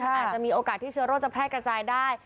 อาจจะมีโอกาสที่เชื้อโรคจะแพร่กระจายได้